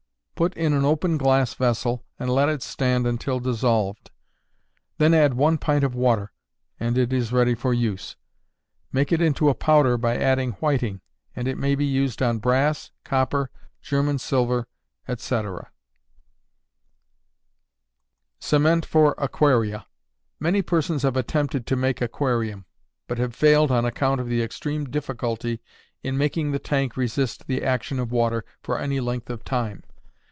Put in an open glass vessel and let it stand until dissolved; then add one pint of water, and it is ready for use. Make it into a powder by adding whiting, and it may be used on brass, copper, German silver, etc. Cement for Aquaria. Many persons have attempted to make aquarium, but have failed on account of the extreme difficulty in making the tank resist the action of water for any length of time.